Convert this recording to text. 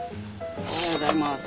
おはようございます。